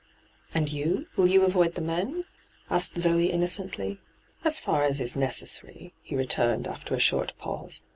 ' And you ? Will you avoid the men V asked Zoe innocently. ' As fer as is necessary,' he returned, after a short pause.